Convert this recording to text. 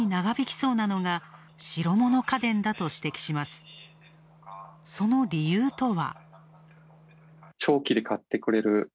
その理由とは。